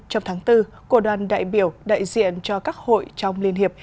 trong tháng bốn của đoàn đại biểu đại diện cho các hội trong liên hiệp